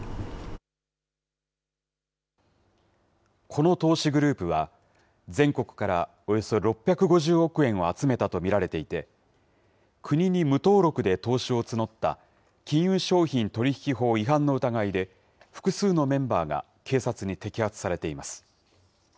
この投資グループは、全国からおよそ６５０億円を集めたと見られていて、国に無登録で投資を募った金融商品取引法違反の疑いで、複数のメンバーが警察に摘発されています。